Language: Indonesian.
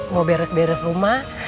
mau beres beres rumah